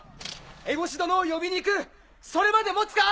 エボシ殿を呼びに行くそれまで持つか？